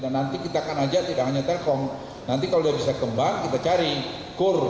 nanti kita akan ajak tidak hanya telkom nanti kalau dia bisa kembang kita cari kur